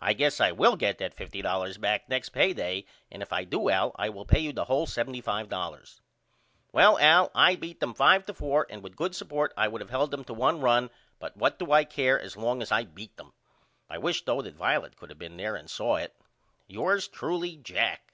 I guess I will get that $50.00 back next pay day and if I do Al I will pay you the hole $75.00. Well Al I beat them 5 to 4 and with good support I would of held them to 1 run but what do I care as long as I beat them? I wish though that Violet could of been there and saw it. Yours truly, JACK.